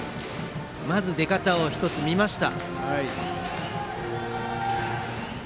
まず出方を１つ見ました。